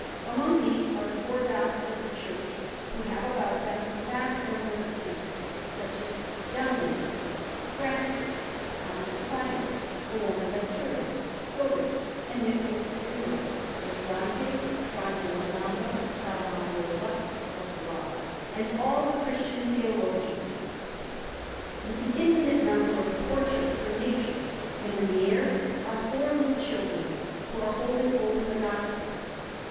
Among these are the four Doctors of the Church, who have about them a vast number of saints, such as Dominic, Francis, Thomas Aquinas, Buonaventura, Scotus, and Nicholas of Lira, with Dante, Fra Girolamo Savonarola of Ferrara, and all the Christian theologians, with an infinite number of portraits from nature; and in the air are four little children, who are holding open the Gospels.